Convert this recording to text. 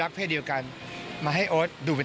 รูปดูเป็นตัวอย่างให้โอดใช่เหมือนทำก่อน